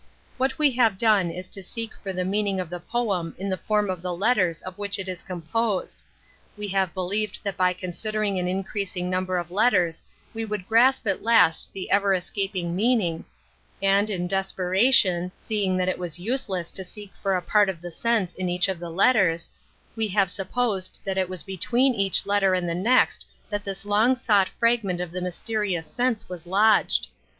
What we have done is to seek for the meaning of the poem in the form of the letters of which it is composed; we have believed that by considering an increasing number of letters we would grasp at last the ever escaping meaning, and in desperation, seeing that it 52 An Introduction to was useless to seek for a part of the sense in each of the letters, we have supposed that it was between each letter and the next that this long sought fragment of the mysterious sense was lodged